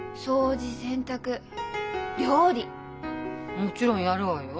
もちろんやるわよ。